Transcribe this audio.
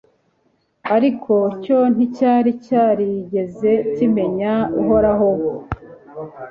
ariko cyo nticyari cyarigeze kimenya uhoraho